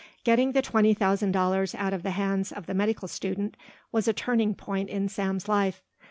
Getting the twenty thousand dollars out of the hands of the medical student was a turning point in Sam's life.